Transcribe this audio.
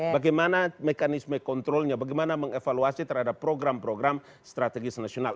bagaimana mekanisme kontrolnya bagaimana mengevaluasi terhadap program program strategis nasional